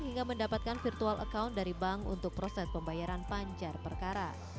hingga mendapatkan virtual account dari bank untuk proses pembayaran panjar perkara